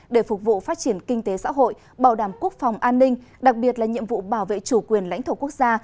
để phục vụ phát triển kinh tế xã hội bảo đảm quốc phòng an ninh đặc biệt là nhiệm vụ bảo vệ chủ quyền lãnh thổ quốc gia